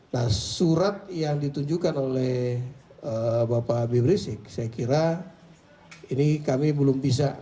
nah surat yang ditunjukkan oleh bapak habib rizik saya kira ini kami belum bisa